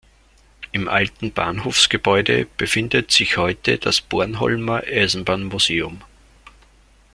Im alten Bahnhofsgebäude befindet sich heute das Bornholmer Eisenbahnmuseum.